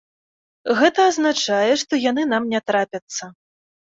Гэта азначае, што яны нам не трапяцца.